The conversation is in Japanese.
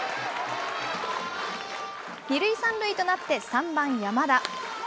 ２塁３塁となって、３番山田。